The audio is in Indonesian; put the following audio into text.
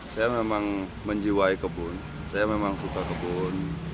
saya memang menjiwai kebun saya memang suka kebun